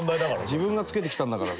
自分がつけてきたんだから。